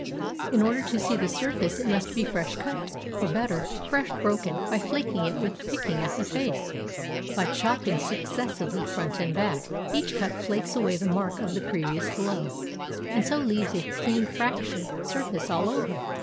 In order to see the surface it must be fresh cut, or better, fresh broken by flaking it with picking at the face ; by chopping suc cessively front and back, each cut flakes away the mark of the previous blow, and so leaves a clean fracture sur face all over.